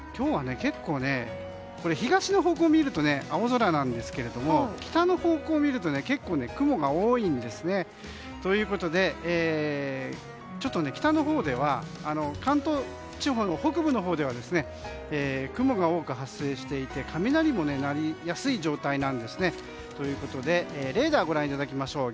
東の方向を見ると青空なんですけど北の方向を見ると結構、雲が多いんですね。ということで、北のほうでは関東地方北部のほうでは雲が多く発生していて雷も鳴りやすい状態なんですね。ということでレーダーをご覧いただきましょう。